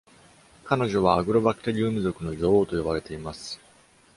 彼女は「アグロバクテリウム属の女王」と呼ばれています。